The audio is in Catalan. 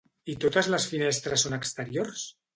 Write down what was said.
I totes les finestres són exteriors?